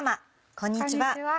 こんにちは。